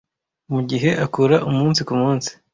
Mugihe akura umunsi kumunsi,